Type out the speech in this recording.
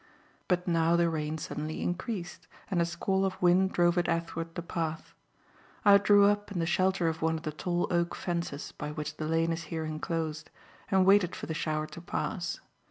But now the rain suddenly increased, and a squall of wind drove it athwart the path. I drew up in the shelter of one of the tall oak fences by which the lane is here inclosed, and waited for the shower to pass.